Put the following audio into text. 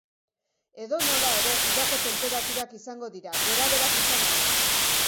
Edonola ere, udako tenperaturak izango dira, gorabeherak izan arren.